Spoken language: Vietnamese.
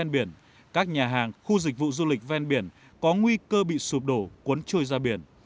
bên biển có nguy cơ bị sụp đổ cuốn trôi ra biển